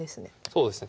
そうですね。